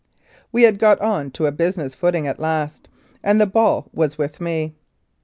We had got on to a business footing at last, and the ball was with me.